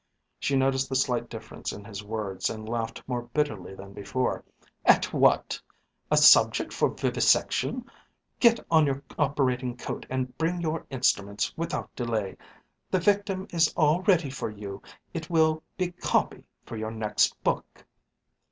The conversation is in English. She noticed the slight difference in his words and laughed more bitterly than before. "As what? a subject for vivisection? Get on your operating coat and bring your instruments without delay. The victim is all ready for you. It will be 'copy' for your next book!"